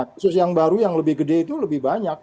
kasus yang baru yang lebih gede itu lebih banyak